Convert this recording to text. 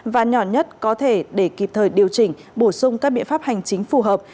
và nhỏ nhất có thể để kịp thời điều chỉnh bổ sung các biện pháp hành chính phù hợp